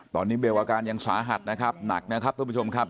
ตอนนี้เบลอาการยังสาหัสนะครับหนักนะครับทุกผู้ชมครับ